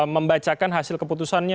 membacakan hasil keputusannya